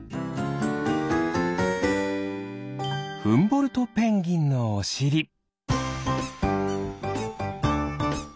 フンボルトペンギンのおしり。